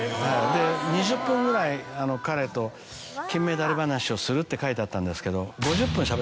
「２０分ぐらい彼と金メダル話をする」って書いてあったんですけど。